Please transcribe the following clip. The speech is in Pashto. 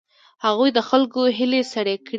هغوی د خلکو هیلې سړې کړې.